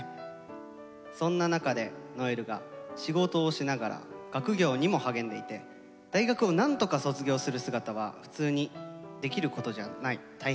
そんな中で如恵留が仕事をしながら学業にも励んでいて大学をなんとか卒業する姿は普通にできることじゃない大変なことです。